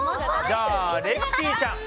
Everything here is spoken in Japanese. じゃあレクシーちゃん。